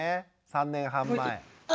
３年半前。